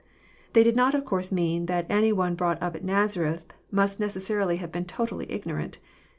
They did not of course mean that any one brought up at Nazareth must necessarily have been totally ignorant.